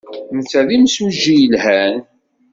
Netta d imsujji yelhan.